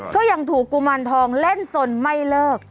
ก็ยังถูกกุมารทองเล่นสนไม่เลิก